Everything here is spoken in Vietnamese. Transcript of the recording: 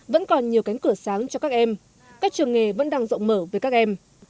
vẫn còn nhiều cánh cửa sáng cho các em các trường nghề vẫn đang rộng mở với các em